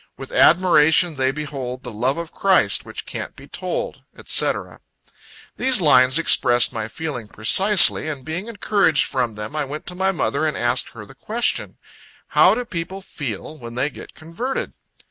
With admiration they behold The love of Christ, which can't be told," &c. These lines expressed my feelings precisely, and being encouraged from them, I went to my mother, and asked her the question "How do people feel, when they get converted?"